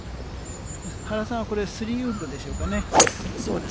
原さんはこれ、スリーウッドでしょうかね。